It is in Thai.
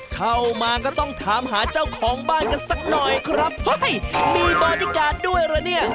เข้ามาก็ต้องถามหาเจ้าของบ้านกันสักหน่อยครับเฮ้ยมีบริการด้วยเหรอเนี่ย